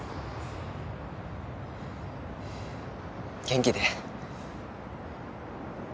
元気で。